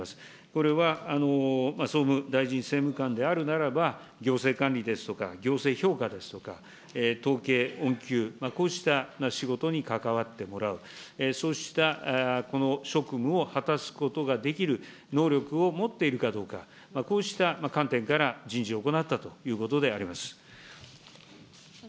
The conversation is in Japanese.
これは総務大臣政務官であるならば、行政管理ですとか、行政評価ですとか、統計恩給、こうした仕事に関わってもらう、そうした職務を果たすことができる能力を持っているかどうか、こうした観点から人事を行ったということであります。